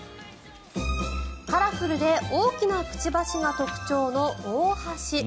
カラフルで大きなくちばしが特徴のオオハシ。